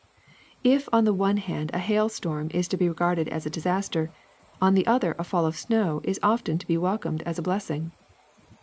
*^If on the one hand a hail storm is to be regarded as a disaster, on the other a fall of snow is often to be welcomed as a blessing.